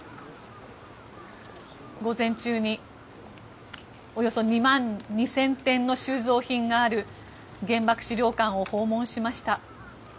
午前中におよそ２万２０００点の収蔵品がある原爆資料館を訪問しました。